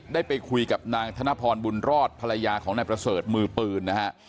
ได้ไปคุยกับนางธนพรบุญรอดภรรยาของนายประเสริฐมือปืนนะฮะ